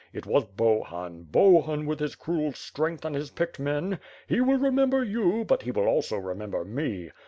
It was Bohun, Bohun with his cruel strength and his picked men. He will remember you, but he will also remember me.